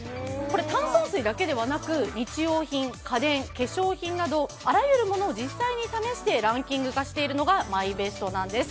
炭酸水だけではなく日用品、家電、化粧品などあらゆるものを実際に試してランキング化しているのがｍｙｂｅｓｔなんです。